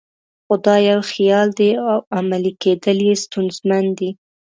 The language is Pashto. خو دا یو خیال دی او عملي کېدل یې ستونزمن دي.